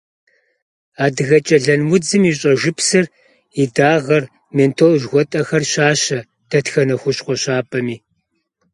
Адыгэкӏэлэн удзым и щӏэжыпсыр, и дагъэр, ментол жыхуэтӏэхэр щащэ дэтхэнэ хущхъуэ щапӏэми.